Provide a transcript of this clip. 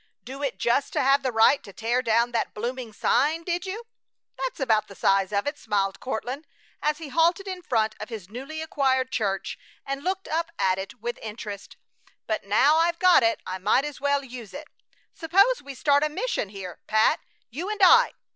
Do it just to have the right to tear down that blooming sign, did you?" "That's about the size of it," smiled Courtland as he halted in front of his newly acquired church and looked up at it with interest. "But now I've got it I might as well use it. Suppose we start a mission here, Pat, you and I?